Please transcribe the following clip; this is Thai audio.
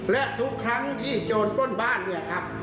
และทุกครั้งที่โจรปล้นบ้านเนี่ยครับ